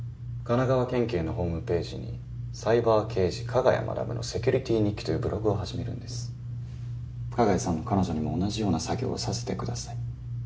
神奈川県警のホームページに「サイバー刑事加賀谷学のセキュリティ日記」というブログを始めるんです加賀谷さんの彼女にも同じような作業をさせてください